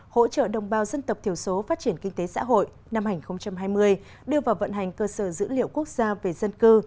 hỗ trợ đồng bào dân tộc thiểu số phát triển kinh tế xã hội năm hai nghìn hai mươi đưa vào vận hành cơ sở dữ liệu quốc gia về dân cư